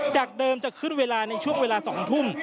จากเดิมจะขึ้นเวลาในช่วงเวลา๒ทุ่ม